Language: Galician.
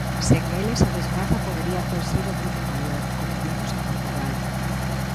Sen eles, a desgraza podería ter sido moito maior, como vimos en Portugal.